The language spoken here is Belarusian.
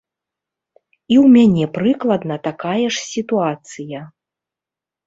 І ў мяне прыкладна такая ж сітуацыя.